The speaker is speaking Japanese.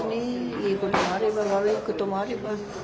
いいこともあれば悪いこともあれば。